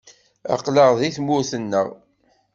Aql-aɣ deg tmurt-nneɣ.